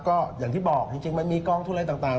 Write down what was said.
ก็อย่างที่บอกจริงมันมีกองทุนอะไรต่าง